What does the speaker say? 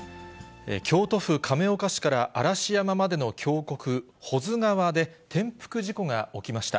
京都府亀岡市から嵐山までの峡谷、保津川で転覆事故が起きました。